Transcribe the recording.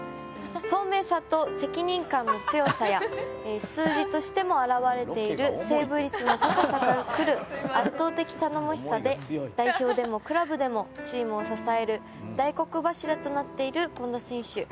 聡明さと責任感の強さや数字としても表れているセーブ率の高さから来る圧倒的頼もしさで代表でもクラブでもチームを支える大黒柱となっている権田選手。